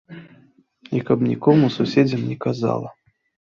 І каб нікому суседзям не казала.